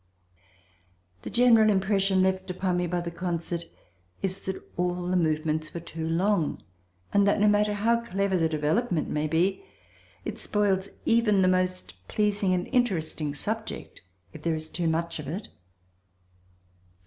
The general impression left upon me by the concert is that all the movements were too long, and that, no matter how clever the development may be, it spoils even the most pleasing and interesting subject if there is too much of it.